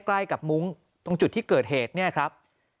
ใกล้กับมุ้งตรงจุดที่เกิดเหตุเนี่ยครับ